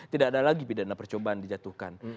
tidak ada lagi pidana percobaan dijatuhkan